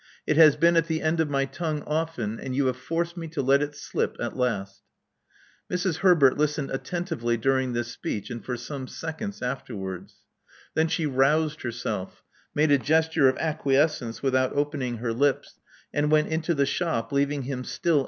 It has been at the end of my tongue often ; and you have forced me to let it slip at last" Mrs. Herbert listened attentively during this speech and for some seconds afterwards. Then she roused herself; made a gesture of acquiescence without open ing her lips; and went into the shop, leaving him still